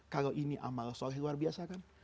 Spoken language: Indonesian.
kalau ini amal soleh luar biasa kan